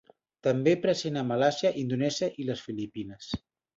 També present a Malàisia, Indonèsia i les Filipines.